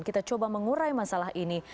kita coba mengurai masalah ini